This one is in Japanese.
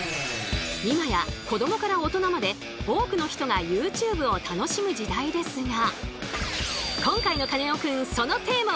今や子どもから大人まで多くの人がＹｏｕＴｕｂｅを楽しむ時代ですが。